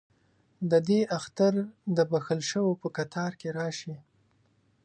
ددې اختر دبخښل شووپه کتار کې راشي